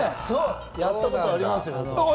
やったことありますよ。